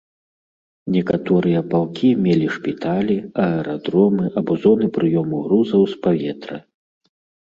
Некаторыя палкі мелі шпіталі, аэрадромы або зоны прыёму грузаў з паветра.